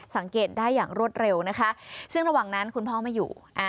สังเกตได้อย่างรวดเร็วนะคะซึ่งระหว่างนั้นคุณพ่อไม่อยู่